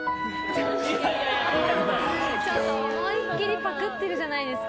思いっきりパクってるじゃないですか。